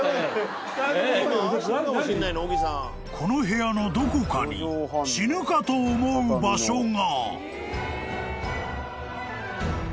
［この部屋のどこかに死ぬかと思う場所が］